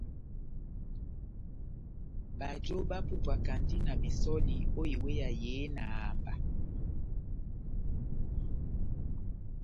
Bajo bapupwakandi na besὸli ó iweya yehé na amba.